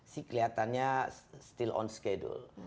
sih kelihatannya still on schedule